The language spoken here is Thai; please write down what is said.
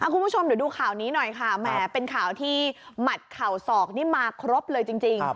คุณผู้ชมเดี๋ยวดูข่าวนี้หน่อยค่ะแหมเป็นข่าวที่หมัดเข่าศอกนี่มาครบเลยจริง